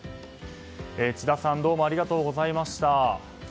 千田さんどうもありがとうございました。